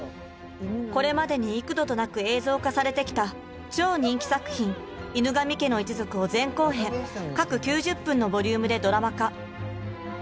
これまでに幾度となく映像化されてきた超人気作品「犬神家の一族」を前後編各９０分のボリュームでドラマ化。